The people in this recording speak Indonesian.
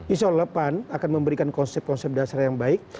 insya allah pan akan memberikan konsep konsep dasar yang baik